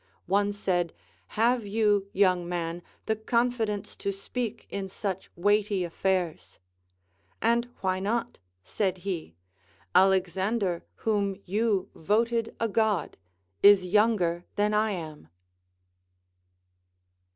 One said : Have you, young man, the confidence to speak in such Aveighty affairs ? And Avhy not ? said he : Alexander, AA^hom you voted a God, is younger than I am.